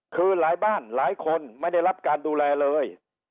คือหลายบ้านหลายคนไม่ได้รับการดูแลเลย